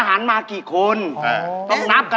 ทำไมเสียงมันออกเหรอคะ